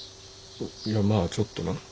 いやまあちょっとな。